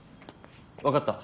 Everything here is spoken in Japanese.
分かった。